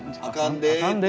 「あかんで」